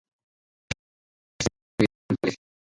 El castillo alberga actividades culturales.